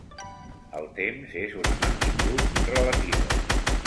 El temps és una magnitud relativa.